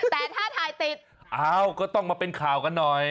แต่ถ้าถ่ายติดอ้าวก็ต้องมาเป็นข่าวกันหน่อย